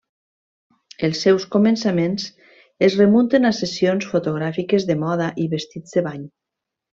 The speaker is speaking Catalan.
Els seus començaments es remunten a sessions fotogràfiques de moda i vestits de bany.